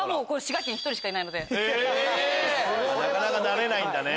なかなかなれないんだね。